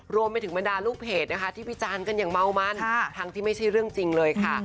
รวมไปถึงบรรดาลูกเพจนะคะที่วิจารณ์กันอย่างเมามันทั้งที่ไม่ใช่เรื่องจริงเลยค่ะ